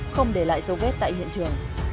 không để lại dấu vết tại hiện trường